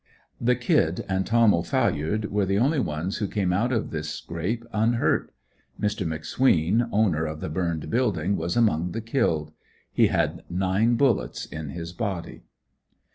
The "Kid" and Tom O'Phalliard were the only ones who came out of this scrape unhurt. Mr. McSween, owner of the burned building was among the killed. He had nine bullets in his body.